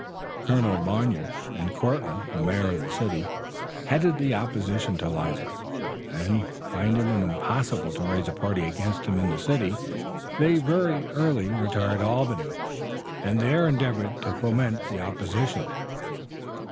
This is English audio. Colonel Bayard and Courtland, the mayor of the city, headed the opposition to Leisler, and, finding it impossible to raise a party against him in the city, they very early retired to Albany, and there endeavored to foment the opposition.